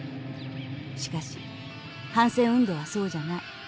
しかし反戦運動はそうじゃない。